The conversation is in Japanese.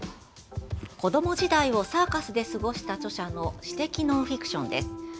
子ども時代をサーカスで過ごした著者の私的ノンフィクションです。